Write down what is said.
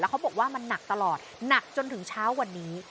เขาบอกว่ามันหนักตลอดหนักจนถึงเช้าวันนี้